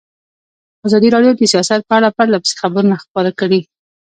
ازادي راډیو د سیاست په اړه پرله پسې خبرونه خپاره کړي.